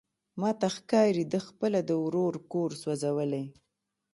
ماته ښکاري ده خپله د ورور کور سوزولی.